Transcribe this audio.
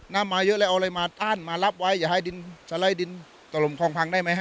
น้ำมาเยอะเลยเอาอะไรมาต้านมารับไว้อย่าให้ดินสลัยดินตรงพังได้ไหมฮะ